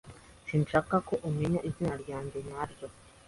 Sinshaka ko umenya izina ryanjye nyaryo